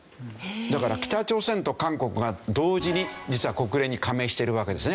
だから北朝鮮と韓国が同時に実は国連に加盟してるわけですね。